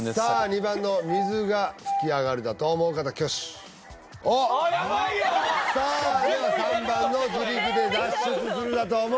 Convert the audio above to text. ２番の水が噴き上がるだと思う方挙手おっやばいよさあでは３番の自力で脱出するだと思う方